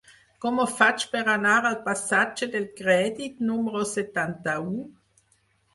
Com ho faig per anar al passatge del Crèdit número setanta-u?